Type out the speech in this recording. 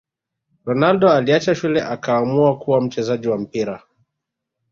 Ronaldo aliacha shule akaamua kuwa mchezaji wa mpira